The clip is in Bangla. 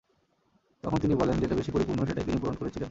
তখন তিনি বলেন, যেটা বেশি পরিপূর্ণ সেটাই তিনি পূরণ করেছিলেন।